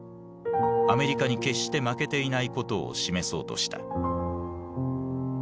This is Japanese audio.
アメリカに決して負けていないことを示そうとした。